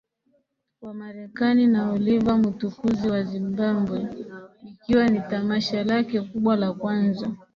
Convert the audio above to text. wa Marekani na Oliva Mutukuzi wa Zimbabwe ikiwa ni tamasha lake kubwa la kwanza